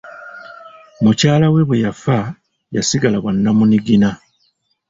Mukyala we bwe yafa, yasigala bwa nnamunigina.